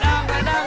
wedang wedang wedang